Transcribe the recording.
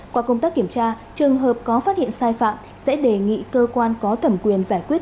qua công tác kiểm tra trường hợp có phát hiện sai phạm sẽ đề nghị cơ quan có thẩm quyền giải quyết